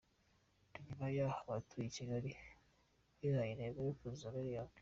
Ni nyuma y’aho abatuye i Kigali bihaye intego yo kuzuza miliyoni.